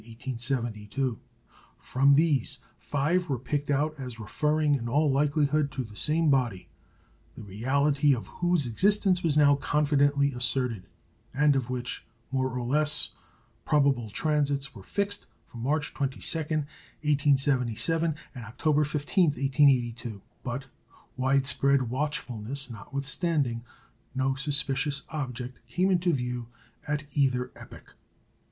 From these, five were picked out as referring in all likelihood to the same body, the reality of whose existence was now confidently asserted, and of which more or less probable transits were fixed for March 22, 1877, and October 15, 1882. But, widespread watchfulness notwithstanding, no suspicious object came into view at either epoch.